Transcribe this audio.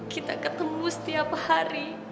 kita ketemu setiap hari